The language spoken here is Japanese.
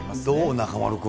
中丸君。